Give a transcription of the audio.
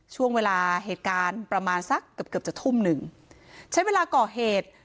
ช่วงเวลาเหตุการณ์ประมาณสักเกือบเกือบจะทุ่มหนึ่งใช้เวลาก่อเหตุ